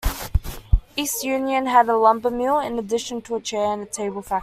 East Union had a lumbermill, in addition to a chair and table factory.